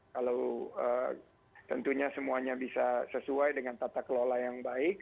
kalau tentunya semuanya bisa sesuai dengan tata kelola yang baik